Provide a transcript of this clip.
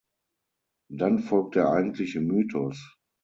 Dann folgt der eigentliche Mythos.